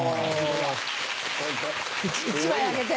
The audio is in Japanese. １枚あげて。